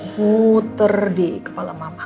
muter di kepala mama